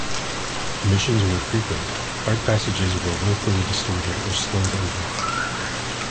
Omissions were frequent; hard passages were willfully distorted or slurred over.